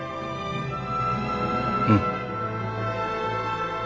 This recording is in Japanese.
うん。